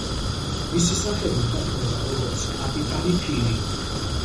მისი სახელი ითარგმნება როგორც „კაპიტანი ფირი“.